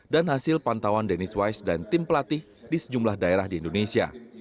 dan hasil pantauan janice wise dan tim pelatih di sejumlah daerah di indonesia